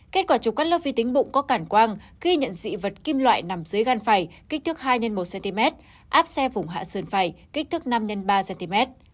kết quả chụp cắt lớp vi tính bụng có cản quang ghi nhận dị vật kim loại nằm dưới gan phải kích thước hai x một cm áp xe vùng hạ sơn phải kích thước năm x ba cm